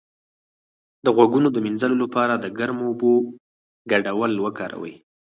د غوږونو د مینځلو لپاره د ګرمو اوبو ګډول وکاروئ